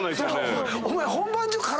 お前。